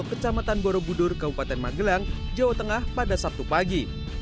kecamatan borobudur kabupaten magelang jawa tengah pada sabtu pagi